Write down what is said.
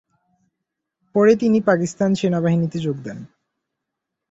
পরে তিনি পাকিস্তান সেনা বাহিনীতে যোগ দেন।